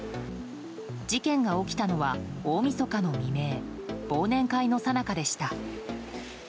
事件が起きたのは大みそかの未明忘年会のさなかでした。